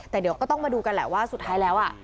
แต่เดี๋ยวก็ต้องมาดูกันแหละว่าสุดท้ายแล้ว